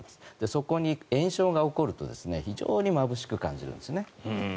そこに炎症が起こると非常にまぶしく感じるんですね。